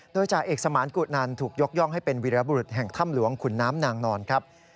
โดยจ่าเอกสมานกุนันถูกยกย่องให้เป็นวิรบุรุษแห่งถ้ำหลวงขุนน้ำนางนอนครับ